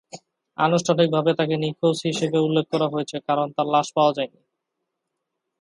আনুষ্ঠানিকভাবে তাকে নিখোঁজ হিসেবে উল্লেখ করা হয়েছে, কারণ তার লাশ পাওয়া যায়নি।